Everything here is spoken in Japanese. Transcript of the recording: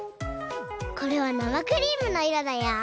これはなまクリームのいろだよ！